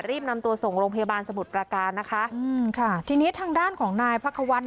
รีบนำตัวส่งโรงพยาบาลสมุทรประการนะคะอืมค่ะทีนี้ทางด้านของนายพระควัฒน์